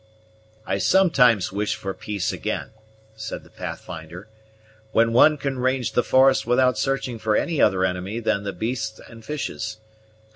"I sometimes wish for peace again," said the Pathfinder, "when one can range the forest without searching for any other enemy than the beasts and fishes.